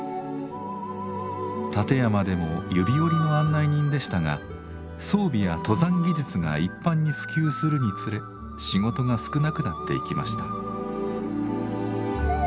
立山でも指折りの案内人でしたが装備や登山技術が一般に普及するにつれ仕事が少なくなっていきました。